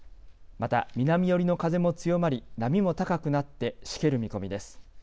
また南寄りの風も強まり、波も高くなってしける見込みです。